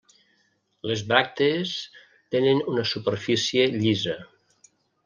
Les bràctees tenen una superfície llisa.